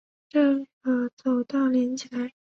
这个走道连起来